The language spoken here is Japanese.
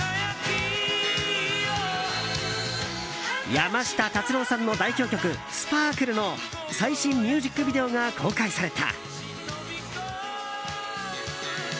山下達郎さんの代表曲「ＳＰＡＲＫＬＥ」の最新ミュージックビデオが公開された。